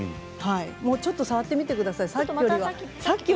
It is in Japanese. ちょっと触ってみてください。